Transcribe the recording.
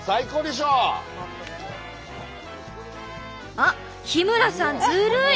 あっ日村さんずるい！